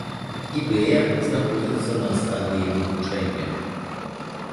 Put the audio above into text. Ідэя знаходзіцца на стадыі вывучэння.